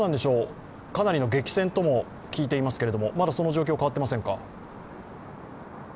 かなりの激戦とも聞いていますけれども、まだその状況は変わっていませんか？